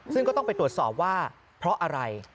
ซึ่งก็ต้องไปตรวจสอบว่าเพราะอะไร